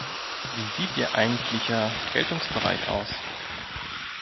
Wie sieht ihr eigentlicher Geltungsbereich aus?